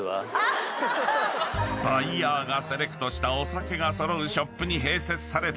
［バイヤーがセレクトしたお酒が揃うショップに併設された］